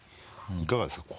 いかがですか？